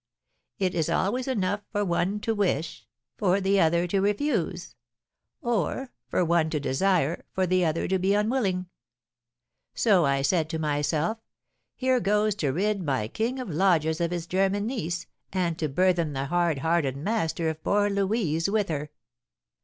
'It is always enough for one to wish, for the other to refuse; or, for one to desire, for the other to be unwilling.' 'So,' said I to myself, 'here goes to rid my king of lodgers of his German niece, and to burthen the hard hearted master of poor Louise with her.